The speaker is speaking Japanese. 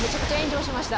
しました。